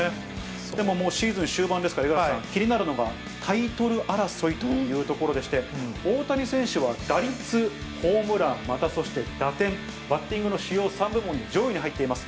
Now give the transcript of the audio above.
でも、シーズン終盤ですから、五十嵐さん、気になるのがタイトル争いというところでして、大谷選手は打率、ホームラン、また、そして打点、バッティングの主要３部門の上位に入っています。